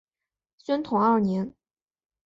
宣统二年。